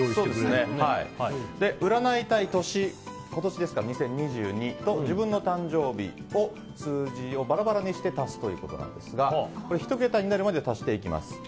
占いたい年今年ですから２０２２と自分の誕生日を数字をバラバラにして足すということですが１桁になるまで足していきます。